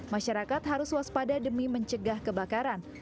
masyarakat harus waspada demi mencegah kebakaran